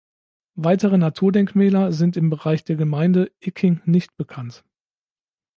Weitere Naturdenkmäler sind im Bereich der Gemeinde Icking nicht bekannt.